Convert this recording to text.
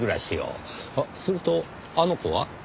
するとあの子は？